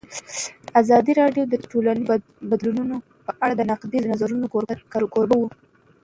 ازادي راډیو د ټولنیز بدلون په اړه د نقدي نظرونو کوربه وه.